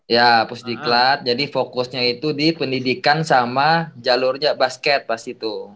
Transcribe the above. ya pusdiklat jadi fokusnya itu di pendidikan sama jalurnya basket pas itu